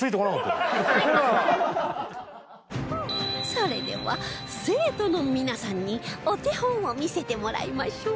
それでは生徒の皆さんにお手本を見せてもらいましょう